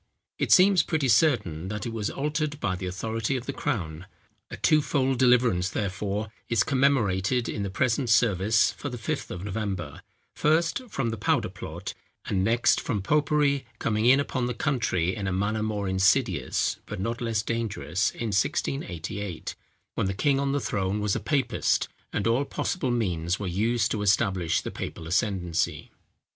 It seems pretty certain that it was altered by the authority of the crown. A twofold deliverance, therefore, is commemorated in the present service for the Fifth of November; first, from the powder plot, and next, from popery coming in upon the country in a manner more insidious, but not less dangerous in 1688, when the king on the throne was a papist, and all possible means were used to establish the papal ascendancy.